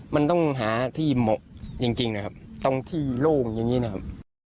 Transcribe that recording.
มันต้องหาที่เหมาะจริงนะครับตรงที่โล่งอย่างนี้นะครับ